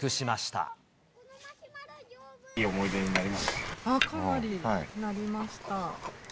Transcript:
かなりなりました。